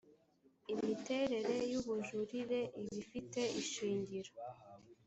imiterere y’ ubujurire ibifite ishingiro.